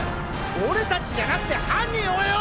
俺たちじゃなくて犯人追えよ！